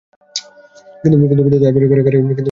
কিন্তু তাই বলিয়া কারাগারে থাকিতে দোষ কী?